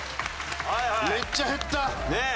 めっちゃ減った！ねえ。